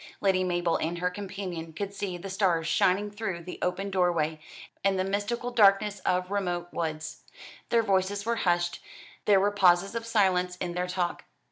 Lady Mabel and her companion could see the stars shining through the open doorway, and the mystical darkness of remote woods. Their voices were hushed; there were pauses of silence in their talk.